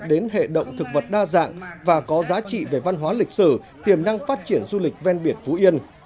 đến hệ động thực vật đa dạng và có giá trị về văn hóa lịch sử tiềm năng phát triển du lịch ven biển phú yên